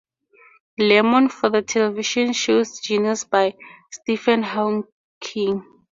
Lemmon for the television show Genius by Stephen Hawking.